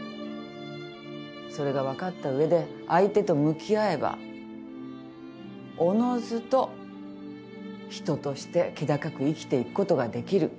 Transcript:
それが分かった上で相手と向き合えばおのずと人として気高く生きていくことができる。